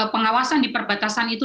pengawasan di perbatasan itu